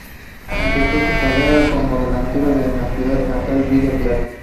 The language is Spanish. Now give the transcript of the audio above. Empezó su carrera como delantero en su ciudad natal, Villa Clara.